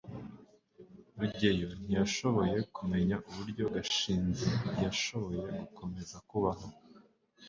rugeyo ntiyashoboye kumenya uburyo gashinzi yashoboye gukomeza kubaho